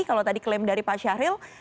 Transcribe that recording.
kalau tadi klaim dari pak syahril